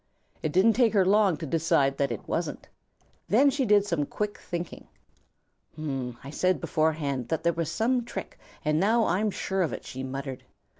It didn't take her long to decide that it wasn't. Then she did some quick thinking. "I said beforehand that there was some trick, and now I'm sure of it," she muttered.